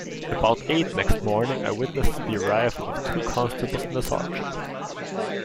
About eight next morning I witnessed the arrival of two constables and a sergeant.